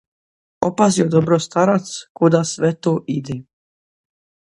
Opazio dobro starac, kuda sve to ide.